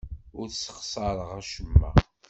Ur ssexṣareɣ acemma.